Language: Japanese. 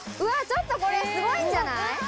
ちょっとこれすごいんじゃない？